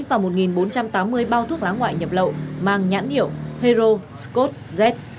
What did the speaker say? và một bốn trăm tám mươi bao thuốc lá ngoại nhập lậu mang nhãn hiệu hero scot z